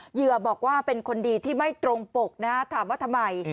เหยื่อบอกว่าเป็นคนดีที่ไม่ตรงปกนะฮะถามว่าทำไม